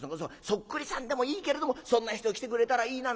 『そっくりさんでもいいけれどもそんな人が来てくれたらいいな』